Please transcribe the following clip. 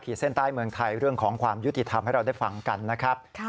เส้นใต้เมืองไทยเรื่องของความยุติธรรมให้เราได้ฟังกันนะครับ